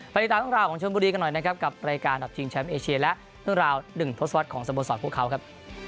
ติดตามเรื่องราวของชนบุรีกันหน่อยนะครับกับรายการดับชิงแชมป์เอเชียและเรื่องราว๑ทศวรรษของสโมสรพวกเขาครับ